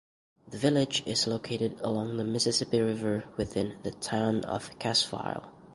The village is located along the Mississippi River within the Town of Cassville.